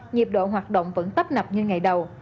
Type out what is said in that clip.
nhịp độ hoạt động vẫn tấp nập như ngày đầu